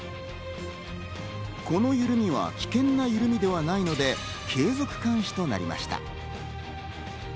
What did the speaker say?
この緩みは危険な緩みではないので、継続監視となりました。